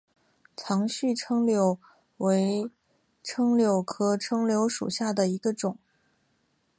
长穗柽柳为柽柳科柽柳属下的一个种。